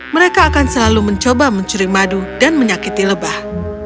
mereka akan selalu mencoba mencuri madu dan menyakiti lebah